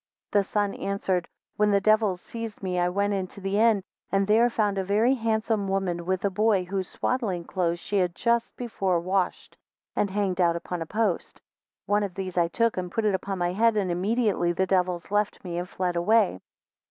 19 The son answered, When the devils seized me, I went into the inn, and there found a very handsome woman with a boy, whose swaddling clothes she had just before washed, and hanged out upon a post. 20 One of these I took, and put it upon my head, and immediately the devils left me, and fled away.